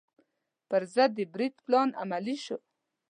پر ضد د برید پلان عملي شو.